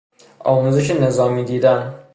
آموزش نظامی دیدن